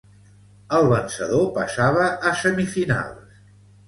El vencedor passava a semifinals.